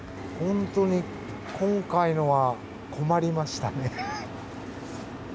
本当に今回のは困りましたね。